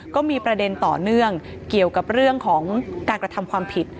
ก็มีประเด็นต่อเนื่องเกี่ยวกับเรื่องของการกระทำความผิด